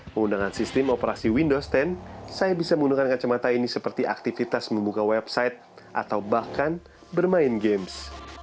menggunakan sistem operasi windows sepuluh saya bisa menggunakan kacamata ini seperti aktivitas membuka website atau bahkan bermain games